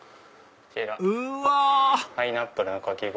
こちらパイナップルのかき氷。